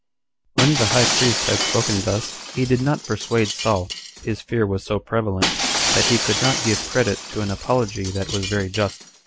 6. When the high priest had spoken thus, he did not persuade Saul, his fear was so prevalent, that he could not give credit to an apology that was very just.